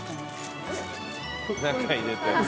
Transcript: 中入れて。